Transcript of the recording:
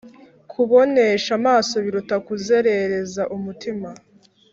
kubonesha amaso biruta kuzerereza umutima